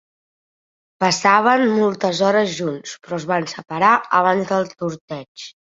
Passaven moltes hores junts, però es van separar abans del torteig.